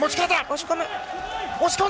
押し込め。